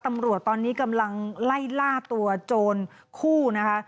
ตำรวจตอนนี้กำลังไล่ล่าตัวโจรคู่นะคะ